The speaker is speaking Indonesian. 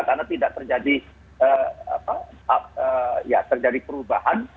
karena tidak terjadi perubahan